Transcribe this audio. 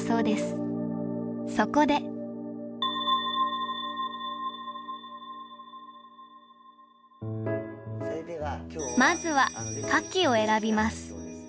そこでまずは花器を選びます。